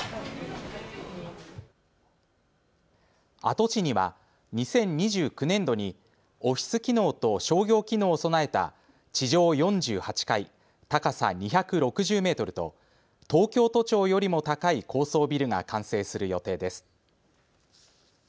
跡地には２０２９年度にオフィス機能と商業機能を備えた地上４８階、高さ２６０メートルと東京都庁よりも高い高層ビルが完成する予定です。